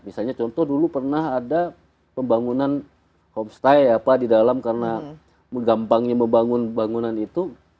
misalnya contoh dulu pernah ada pembangunan homestay di dalam karena gampangnya membangun bangunan itu